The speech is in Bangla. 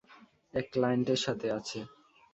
এক ক্লায়েন্টের সাথে আছে।